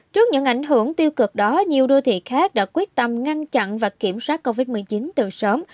trước những ảnh hưởng tiêu cực đó nhiều đô thị khác đã quyết tâm ngăn chặn và kiểm soát covid một mươi chín từ sớm